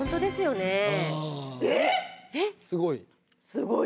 すごい？